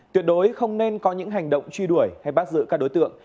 tuyệt đối không nên có những hành động truy đuổi hay bắt giữ các đối tượng